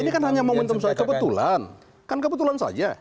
ini kan hanya momentum soal kebetulan